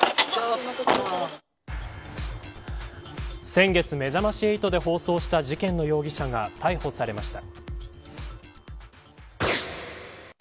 先月めざまし８で放送した事件の容疑者が逮捕されました。